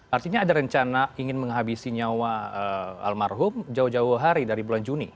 artinya ada rencana ingin menghabisi nyawa almarhum jauh jauh hari dari bulan juni